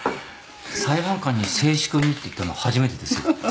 裁判官に「静粛に」って言ったの初めてですよ。